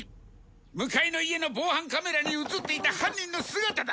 向かいの家の防犯カメラに映っていた犯人の姿だ！